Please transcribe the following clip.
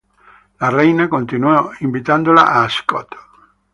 La reina continuó invitándola a Ascot.